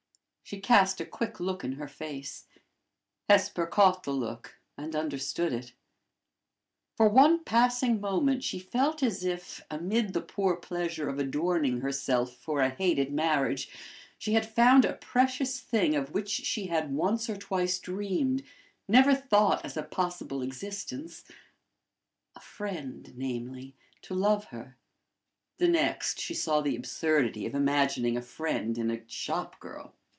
She cast a quick look in her face. Hesper caught the look, and understood it. For one passing moment she felt as if, amid the poor pleasure of adorning herself for a hated marriage, she had found a precious thing of which she had once or twice dreamed, never thought as a possible existence a friend, namely, to love her: the next, she saw the absurdity of imagining a friend in a shop girl.